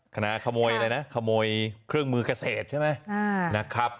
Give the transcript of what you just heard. ขโมยอะไรนะขโมยเครื่องมือเกษตรใช่ไหมนะครับ